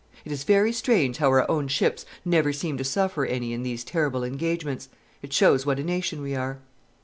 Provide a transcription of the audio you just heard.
It is very strange how our own ships never seem to suffer any in these terrible engagements. It shows what a nation we are.